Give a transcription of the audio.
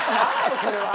それは。